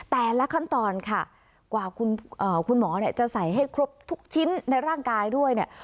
แต่ละขั้นตอนค่ะกว่าคุณหมอเนี่ยจะใส่ให้ครบทุกชิ้นในร่างกายด้วยเนี่ย